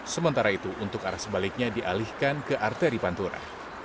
sementara itu untuk arah sebaliknya dialihkan ke arteri pantura